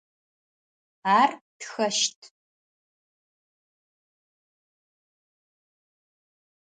Ар тхэщт.